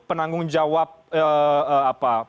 penanggung jawab apa